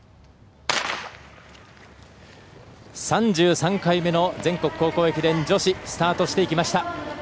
３３回目の全国高校駅伝女子スタートしていきました。